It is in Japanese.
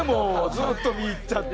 ずっと見入っちゃって。